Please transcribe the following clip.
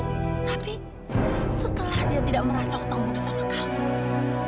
tapi setelah dia tidak merasa hutang budi sama kamu